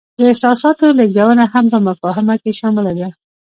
د احساساتو لیږدونه هم په مفاهمه کې شامله ده.